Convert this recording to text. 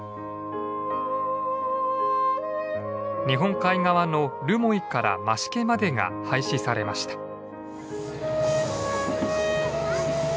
日本海側の留萌から増毛までが廃止されました。